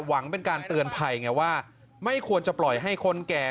เป็นการเตือนภัยไงว่าไม่ควรจะปล่อยให้คนแก่